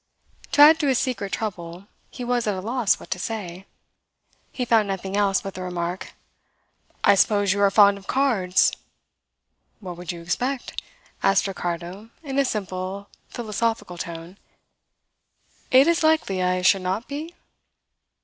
To add to his secret trouble, he was at a loss what to say. He found nothing else but the remark: "I suppose you are fond of cards." "What would you expect?" asked Ricardo in a simple, philosophical tone. "It is likely I should not be?"